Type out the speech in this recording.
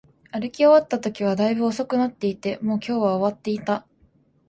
歩き終わったときは、大分遅くなっていて、もう今日は終わっていた